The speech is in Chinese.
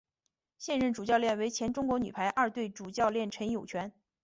现任主教练为前中国女排二队主教练陈友泉。